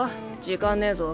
時間ねぇぞ。